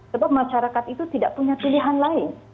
sebab masyarakat itu tidak punya pilihan lain